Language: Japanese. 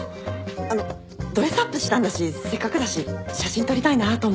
あのドレスアップしたんだしせっかくだし写真撮りたいなと思って。